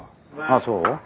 あっそう？